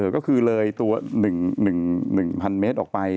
ก็คือเลยตัว๑๐๐เมตรออกไป